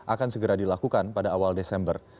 akan segera dilakukan pada awal desember